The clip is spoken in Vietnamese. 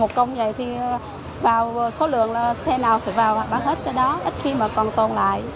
một công vậy thì vào số lượng là xe nào thì vào bán hết xe đó ít khi mà còn tồn lại